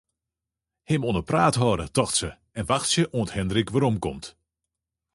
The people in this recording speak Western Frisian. Him oan 'e praat hâlde, tocht se, en wachtsje oant Hindrik weromkomt.